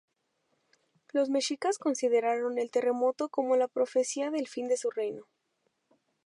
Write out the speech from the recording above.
Los mexicas consideraron el terremoto como la profecía del fin de su reino.